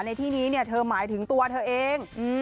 ในที่นี้เธอหมายถึงตัวเธอเอง